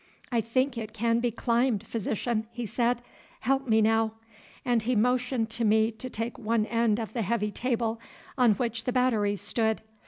"I think it can be climbed, Physician," he said. "Help me now," and he motioned to me to take one end of the heavy table on which the batteries stood.